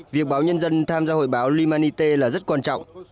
việc báo nhân dân tham gia hội báo huy humanity là rất quan trọng